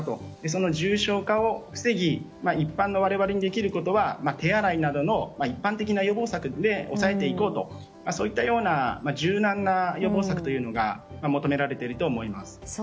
その重症化を防ぎ一般の我々にできることは手洗いなどの一般的な予防策で抑えていこうとそういったような柔軟な予防策が求められていると思います。